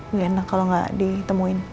gak enak kalo gak ditemuin